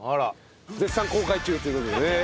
絶賛公開中という事でね映画。